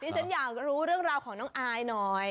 ฉันอยากรู้เรื่องราวของน้องอายหน่อย